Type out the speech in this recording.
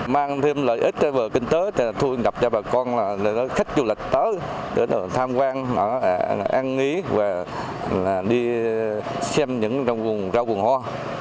mang thêm lợi ích về kinh tế thu nhập cho bà con là lợi ích khách du lịch tới để tham quan an nghí và đi xem những rau vườn hoa